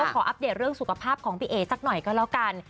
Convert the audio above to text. อัปเดตเรื่องสุขภาพของพี่เอ๋สักหน่อยก็แล้วกัน